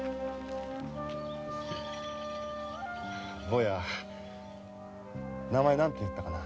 坊や名前は何て言ったかな？